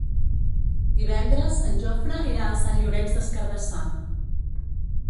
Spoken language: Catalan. Divendres en Jofre irà a Sant Llorenç des Cardassar.